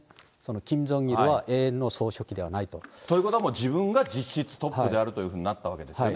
キム・ジョンイルは永遠の総書記ということはもう自分が実質トップであるというふうになったわけですね。